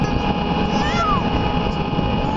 سونو ڏاڌو ماهنگو ٿي گيو هي.